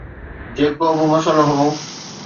جيڪو به مسئلو هو.